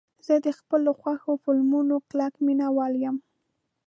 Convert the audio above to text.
زه د خپلو خوښې فلمونو کلک مینهوال یم.